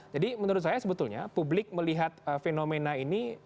jadi menurut saya sebetulnya publik melihat fenomena ini